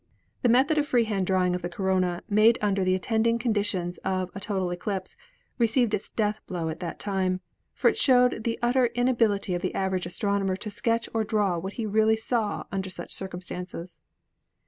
The method of free hand drawing of the corona made un der the attending conditions of a total eclipse received its death blow at that time, for it showed the utter inability of the average astronomer to sketch or draw what he really saw under such circumstances."